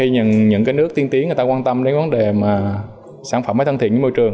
những nước tiên tiến quan tâm đến vấn đề sản phẩm phải thân thiện với môi trường